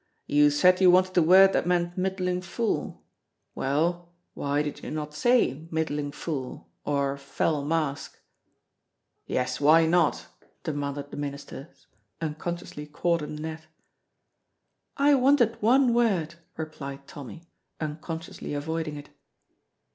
"You said you wanted a word that meant middling full. Well, why did you not say middling full or fell mask?" "Yes, why not?" demanded the ministers, unconsciously caught in the net. "I wanted one word," replied Tommy, unconsciously avoiding it.